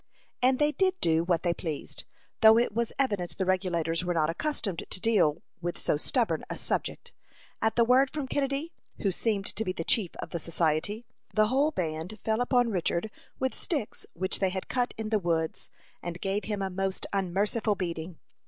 And they did do what they pleased, though it was evident the Regulators were not accustomed to deal with so stubborn a subject. At the word from Kennedy, who seemed to be the chief of the society, the whole band fell upon Richard with sticks which they had cut in the woods, and gave him a most unmerciful beating.